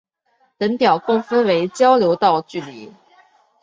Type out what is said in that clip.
本表共分为交流道距离。